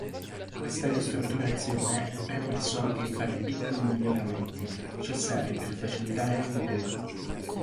Questa ristrutturazione ha permesso anche di fare piccoli miglioramenti, necessari per facilitarne il lavoro.